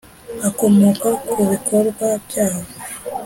akomoka ku bikorwa byawo